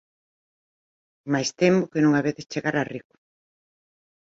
Mais temo que non habedes chegar a rico.